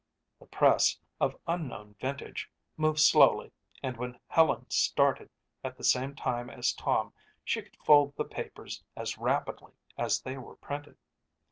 The press, of unknown vintage, moved slowly and when Helen started at the same time as Tom she could fold the papers as rapidly as they were printed.